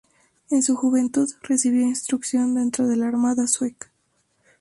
En su juventud, recibió instrucción dentro de la armada sueca.